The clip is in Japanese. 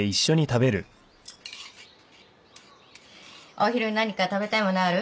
お昼何か食べたいものある？